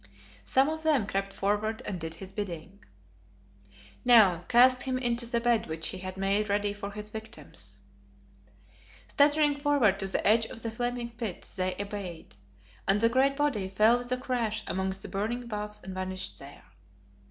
Some of them crept forward and did his bidding. "Now, cast him into the bed which he had made ready for his victims." Staggering forward to the edge of the flaming pit, they obeyed, and the great body fell with a crash amongst the burning boughs and vanished there.